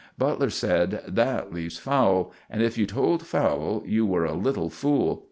Butler said: "That leaves Fowle; and if you told Fowle you were a little fool."